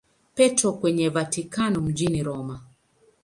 Petro kwenye Vatikano mjini Roma.